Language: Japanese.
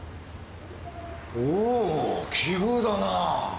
おぉ奇遇だなぁ！